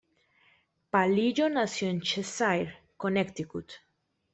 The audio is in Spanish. Palillo nació en Cheshire, Connecticut.